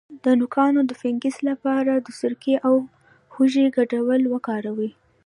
د نوکانو د فنګس لپاره د سرکې او هوږې ګډول وکاروئ